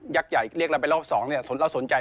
ใหญ่เรียกลำไปรอบ๒เราสนใจ